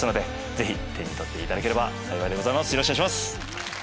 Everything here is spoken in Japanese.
ぜひ手に取っていただければ幸いですお願いします。